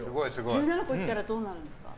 １７個いったらどうなるんですか？